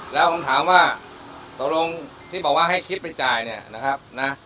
แล้วผมถามว่าตกลงที่บอกว่าให้คิดไปจ่ายเนี่ยนะครับนะ